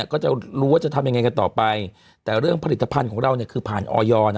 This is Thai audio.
ก็จะรู้ว่าจะทำยังไงกันต่อไปแต่เรื่องผลิตภัณฑ์ของเราเนี่ยคือผ่านออย